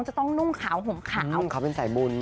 จะต้องนุ่งขาวห่มขาวนุ่งขาวเป็นสายบุญ